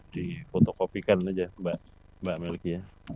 difotokopikan saja mbak melki ya